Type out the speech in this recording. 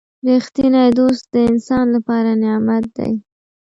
• رښتینی دوست د انسان لپاره نعمت دی.